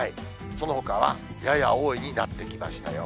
そのほかはやや多いになってきましたよ。